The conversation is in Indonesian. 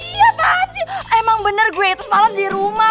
iya emang bener gue itu semalam di rumah